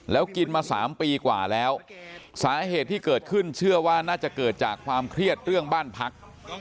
แล้วกินมา๓ปีกว่าแล้วสาเหตุที่เกิดขึ้นเชื่อว่าน่าจะเกิดจากความเครียดเรื่องบ้านพัก